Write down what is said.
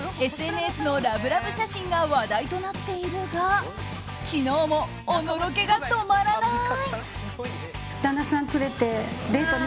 ＳＮＳのラブラブ写真が話題となっているが昨日も、おのろけが止まらない！